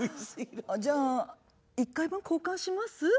じゃあ１回分交換します？